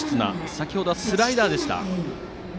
先程はスライダーでした。